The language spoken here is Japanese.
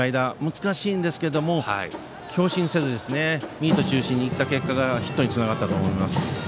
難しいんですが、強振せずにミート中心にいった結果がヒットにつながったと思います。